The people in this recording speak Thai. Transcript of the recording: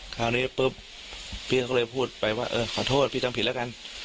คราวนี้ปุ๊บพี่ก็เลยพูดไปว่าเออขอโทษพี่ทำผิดแล้วกัน